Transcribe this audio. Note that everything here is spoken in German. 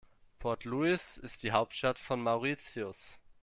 Port Louis ist die Hauptstadt von Mauritius.